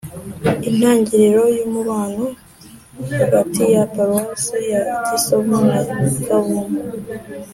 intangiriro y’umubano(jumélage) hagati ya paruwasi ya gisovu na kavumu.